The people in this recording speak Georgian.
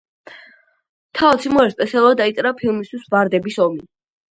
თავად სიმღერა სპეციალურად დაიწერა ფილმისთვის „ვარდების ომი“.